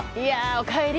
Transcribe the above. おかえり！